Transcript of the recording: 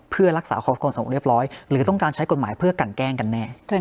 เพื่อรักษาความสงบเรียบร้อยหรือต้องการใช้กฎหมายเพื่อกันแกล้งกันแน่